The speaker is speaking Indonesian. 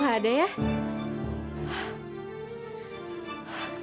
tika didi abdul